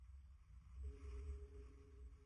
আমি তো করছিলাম, তুমি করো নাই, এখন করে নাও!